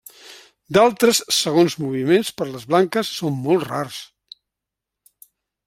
D'altres segons moviments per les blanques són molt rars.